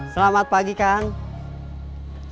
selamat pagi kang